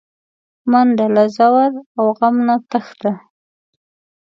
منډه له ځور او غم نه تښته